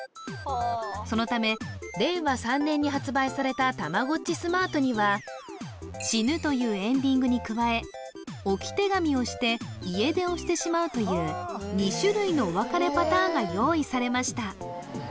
そのため令和３年に発売されたたまごっちスマートには死ぬというエンディングに加え置き手紙をして家出をしてしまうという２種類のお別れパターンが用意されました